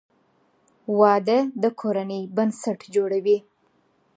• واده د کورنۍ بنسټ جوړوي.